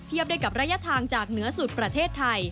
ด้วยกับระยะทางจากเหนือสุดประเทศไทย